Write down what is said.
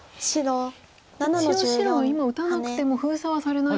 一応白は今打たなくても封鎖はされない。